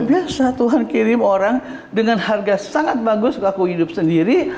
biasa tuhan kirim orang dengan harga sangat bagus aku hidup sendiri